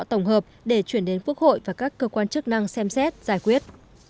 tổng hợp để chuyển đến quốc hội và các cơ quan chức năng xem xét giải quyết